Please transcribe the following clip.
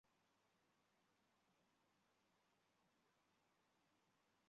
前鳃盖缺刻不显着。